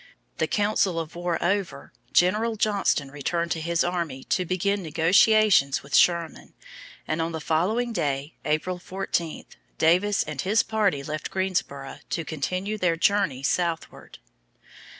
The council of war over, General Johnston returned to his army to begin negotiations with Sherman; and on the following day, April 14, Davis and his party left Greensboro to continue their journey southward.